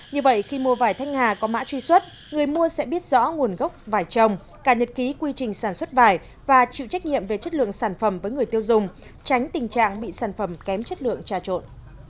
như vậy khi mua vải thanh hà có mã truy xuất người mua sẽ biết rõ nguồn gốc vải trồng cả nhật ký quy trình sản xuất vải và chịu trách nhiệm về chất lượng sản phẩm với người tiêu dùng tránh tình trạng bị sản phẩm kém chất lượng trà trộn